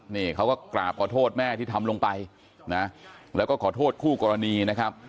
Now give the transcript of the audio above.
นี่เขาก็กราบขอโทษแม่ที่ทำลงไปนะแล้วก็ขอโทษคู่กรณีนะครับ